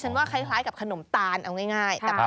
ว่าคล้ายกับขนมตาลเอาง่าย